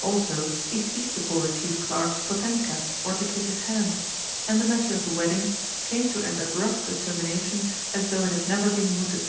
Also, he ceased to call the Chief Clerk "Papenka," or to kiss his hand; and the matter of the wedding came to as abrupt a termination as though it had never been mooted.